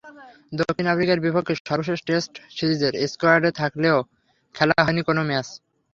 দক্ষিণ আফ্রিকার বিপক্ষে সর্বশেষ টেস্ট সিরিজের স্কোয়াডে থাকলেও খেলা হয়নি কোনো ম্যাচ।